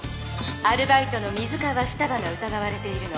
アルバイトの水川ふたばがうたがわれているの。